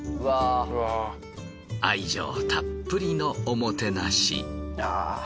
愛情たっぷりのおもてなし。